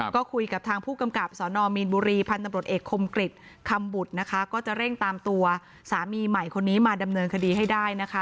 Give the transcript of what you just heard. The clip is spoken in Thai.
ก็คุยกับทางผู้กำกับสนมีนบุรีพันธุ์ตำรวจเอกคมกริจคำบุตรนะคะก็จะเร่งตามตัวสามีใหม่คนนี้มาดำเนินคดีให้ได้นะคะ